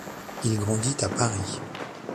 Il grandit à Paris.